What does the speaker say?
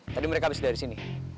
tadi mereka habis dari sini